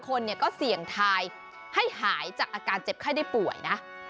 คนเนี่ยก็เสี่ยงทายให้หายจากอาการเจ็บไข้ได้ป่วยนะ